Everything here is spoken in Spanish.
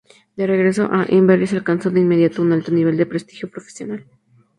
De regreso en Amberes alcanzó de inmediato un alto nivel de prestigio profesional.